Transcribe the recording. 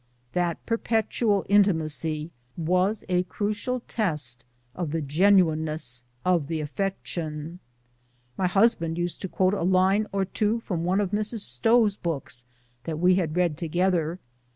That perpetual intimacy was a crucial test of the genuineness of the affection. My husband used to quote a line or two from one of Mrs. Stowe's books that we had read together.